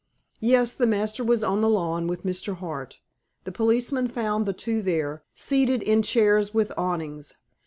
Yes, the master was on the lawn with Mr. Hart. The policeman found the two there, seated in chairs with awnings.